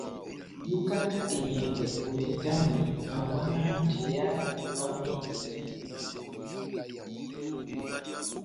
Yokaka enyɛngɛ ovɛ nʼtamwi nahabwana njeya ebongwamindi.